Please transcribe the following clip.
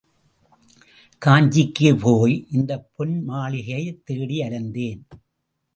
காஞ்சிக்கே போய் இந்தப் பொன் மாளிகையைத் தேடி அலைந்தேன்.